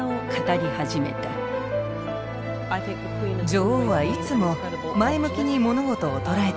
女王はいつも前向きに物事を捉えていました。